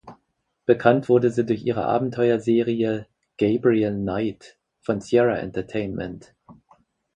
Bekannt wurde sie durch ihre Abenteuer-Serie "Gabriel Knight" von Sierra Entertainment.